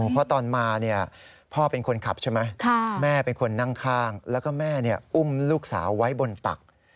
เพราะตอนมาพ่อเป็นคนขับใช่ไหมแม่เป็นคนนั่งข้างแล้วก็แม่อุ้มลูกสาวไว้บนตัก